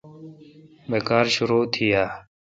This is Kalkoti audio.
بہ کار شرو تھی اؘ۔